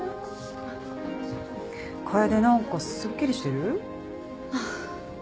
楓何かすっきりしてる？あっ。